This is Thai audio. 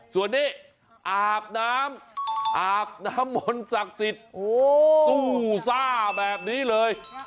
ส่วนนี้อาบน้ำอาบน้ำมนต์ศักดิ์สิทธิ์สู้ซ่าแบบนี้เลย